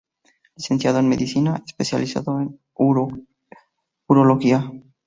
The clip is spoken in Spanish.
Licenciado en Medicina, especializado en urología.